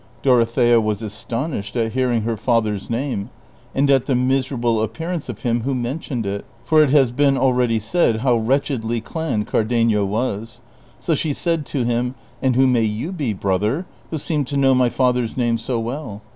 " Doro thea was astonished at hearing her father's name, and at the miserable appearance of him Avho mentioned it, for it lias been already said how wretchedly clad Cardenio was ; so she said to him, '' And who may you be, brother, who seem to know my father's name so well